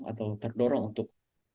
atau terdorong untuk